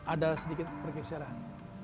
ada sedikit pergeseran